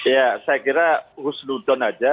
ya saya kira usludon saja